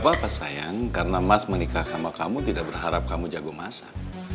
bapak sayang karena mas menikah sama kamu tidak berharap kamu jago masak